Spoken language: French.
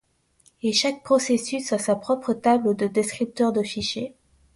Et chaque processus a sa propre table de descripteurs de fichier.